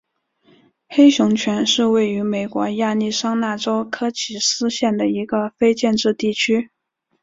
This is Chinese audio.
黑熊泉是位于美国亚利桑那州科奇斯县的一个非建制地区。